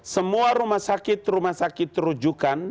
semua rumah sakit rumah sakit terujukan